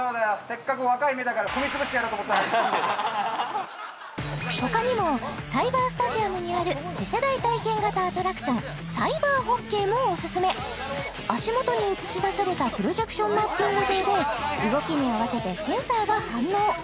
せっかくほかにもサイバースタジアムにある次世代体験型アトラクションサイバーホッケーもオススメ足元に映し出されたプロジェクションマッピング上で動きに合わせてセンサーが反応